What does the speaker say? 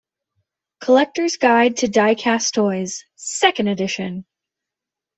Collector's Guide to Diecast Toys, second edition.